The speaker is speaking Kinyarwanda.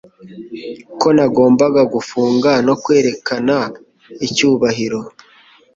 ko nagombaga gufunga no kwerekana icyubahiro